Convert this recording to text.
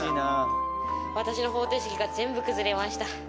私の方程式が全部崩れました。